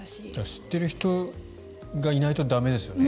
知っている人がいないと駄目ですよね。